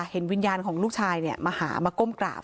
เห็นวิญญาณของลูกชายมาหามาก้มกราบ